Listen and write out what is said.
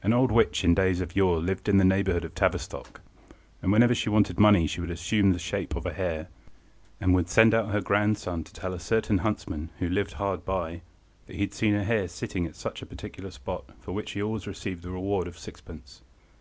An old witch in days of yore lived in the neighbourhood of Tavistock, and whenever she wanted money she would assume the shape of a hare, and would send out her grandson to tell a certain huntsman, who lived hard by, that he had seen a hare sitting at such a particular spot, for which he always received the reward of sixpence.